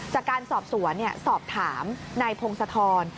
จากการสอบสวนสอบถามนายพงศธร